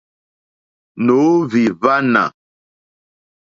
Nǒhwì hwánà.